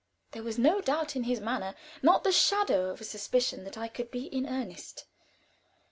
There was no doubt in his manner; not the shadow of a suspicion that I could be in earnest.